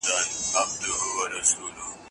د فشار شریکول ګټور وي.